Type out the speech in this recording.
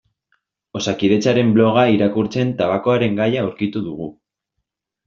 Osakidetzaren bloga irakurtzen tabakoaren gaia aurkitu dugu.